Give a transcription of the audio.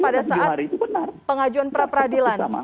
pada saat pengajuan pra peradilan